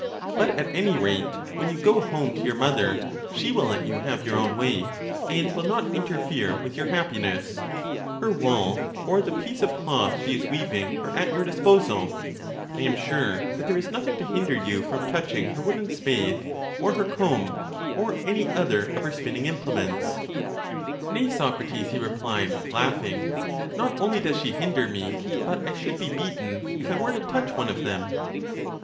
But at any rate when you go home to your mother, she will let you have your own way, and will not interfere with your happiness ; her wool, or the piece of cloth she is weav ing, are at your disposal: I am sure that there is nothing to hinder you from touching her wooden spathe, or her comb, or any other of her spinning implements. Nay, Socrates, he replied, laughing ; not only does she hinder me, but I should be beaten, if I were to touch one of them.